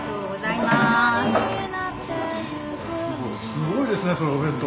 すごいですねそれお弁当。